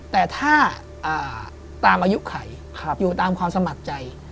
แต่ถ้าตามอายุไขอยู่ตามความสมัครใจ